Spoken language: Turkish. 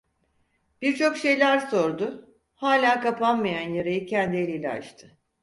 Birçok şeyler sordu, hala kapanmayan yarayı kendi eliyle açtı.